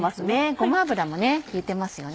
ごま油も効いてますよね。